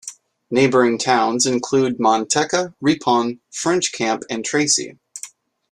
Neighboring towns include Manteca, Ripon, French Camp, and Tracy.